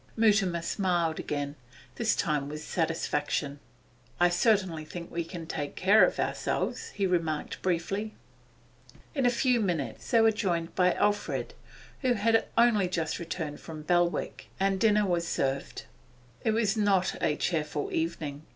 Mutimer smiled again, this time with satisfaction. 'I certainly think we can take care of ourselves,' he remarked briefly. In a few minutes they were joined by Alfred, who had only just returned from Belwick, and dinner was served. It was not a cheerful evening.